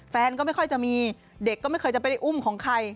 แฟนก็ไม่ค่อยจะมีเด็กก็ไม่เคยจะไปได้อุ้มของใคร